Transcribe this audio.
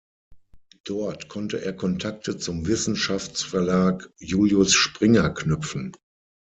Dort konnte er Kontakte zum Wissenschaftsverlag Julius Springer knüpfen.